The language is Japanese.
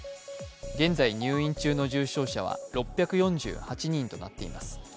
現在入院中の重症者は６４８人となっています。